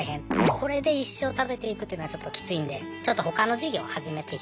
これで一生食べていくというのはちょっときついんでちょっと他の事業を始めていきたいなっていう。